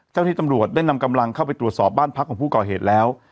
เจ้าที่ตำรวจได้นำกำลังเข้าไปตรวจสอบบ้านพักของผู้ก่อเหตุแล้ว